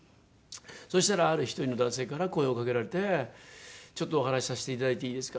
そしたらある１人の男性から声を掛けられて「ちょっとお話しさせていただいていいですか？」